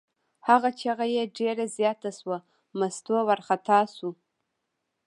هغه چغه یې ډېره زیاته شوه، مستو وارخطا شوه.